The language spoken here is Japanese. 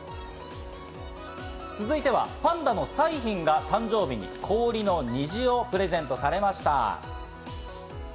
続いては、パンダの彩浜が誕生日に氷の虹をプレゼントされました。